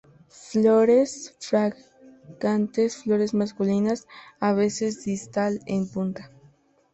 Flores fragantes, flores masculinas a veces distal en punta.